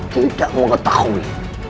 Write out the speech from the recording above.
tidak mau ketahui